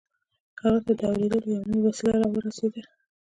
هغه ته د اورېدلو يوه نوې وسيله را ورسېده.